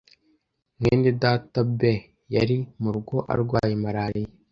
mwenedata B yari mu rugo arwaye malariya